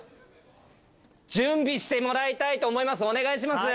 準備してもらいたいと思いますお願いします。